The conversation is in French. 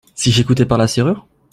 Si j’écoutais par la serrure ?…